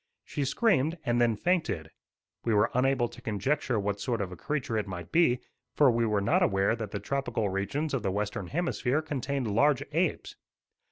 She screamed and then fainted. We were unable to conjecture what sort of a creature it might be, for we were not aware that the tropical regions of the Western Hemisphere contained large apes.